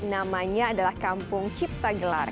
namanya adalah kampung cipta gelar